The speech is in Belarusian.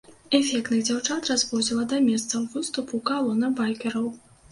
Эфектных дзяўчат развозіла да месцаў выступу калона байкераў.